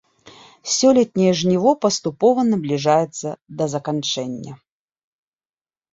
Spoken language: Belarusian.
Сёлетняе жніво паступова набліжаецца да заканчэння.